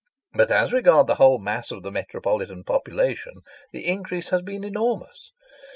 But, as regards the whole mass of the metropolitan population, the increase has been enormous.